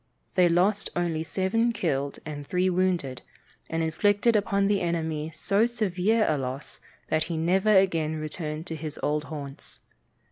They lost only seven killed and three wounded, and inflicted upon the enemy so severe a loss that he never again returned to his old haunts.